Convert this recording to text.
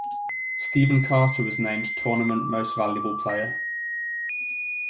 Steven Carter was named Tournament Most Valuable Player.